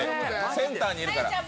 センターにいるから。